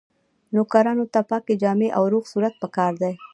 نوکرانو ته پاکې جامې او روغ صورت پکار دی.